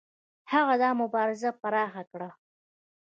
هغه دا مبارزه پراخه کړه.